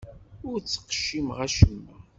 Ur ttqeccimeɣ acemma.